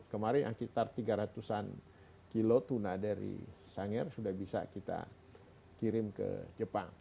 kemarin sekitar tiga ratus an kilo tuna dari sangir sudah bisa kita kirim ke jepang